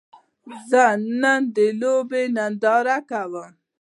زه نن د لوبې ننداره کوم